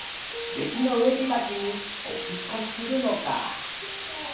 べつのうえきばちにおひっこしするのかあ。